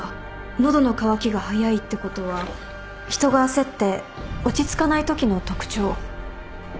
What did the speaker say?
喉の渇きが早いってことは人が焦って落ち着かないときの特徴。